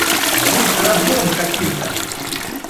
Быть рабом каким-то!